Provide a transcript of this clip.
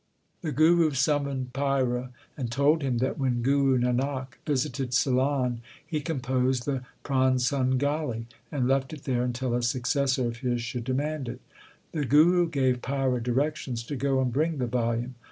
The Guru summoned Paira, and told him that when Guru Nanak visited Ceylon he composed the Pransangali, and left it there until a successor of his should demand it. The Guru gave Paira directions to go and bring the volume.